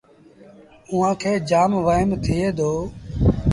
اُئآݩ کي جآم وهيم ٿئي دو